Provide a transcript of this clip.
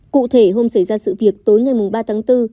cụ thể hôm xảy ra sự việc tối ngày ba tháng bốn